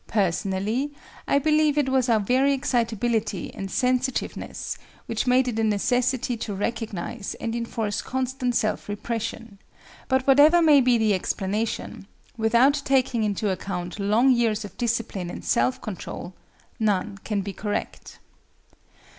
Personally, I believe it was our very excitability and sensitiveness which made it a necessity to recognize and enforce constant self repression; but whatever may be the explanation, without taking into account long years of discipline in self control, none can be correct.